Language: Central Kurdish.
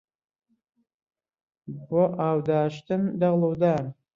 بۆ ئاو داشتن دەغڵ و دان